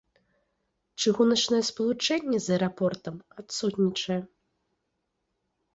Чыгуначнае спалучэнне з аэрапортам адсутнічае.